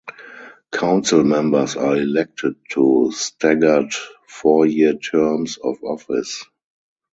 Council members are elected to staggered four-year terms of office.